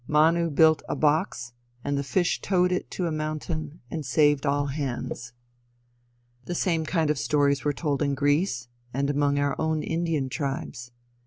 Manu built a "box" and the fish towed it to a mountain and saved all hands. The same kind of stories were told in Greece, and among our own Indian tribes.